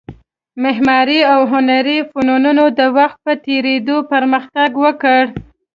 معماري او هنري فنونو د وخت په تېرېدو پرمختګ وکړ